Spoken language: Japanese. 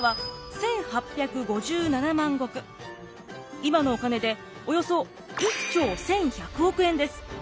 今のお金でおよそ１兆１，１００億円です。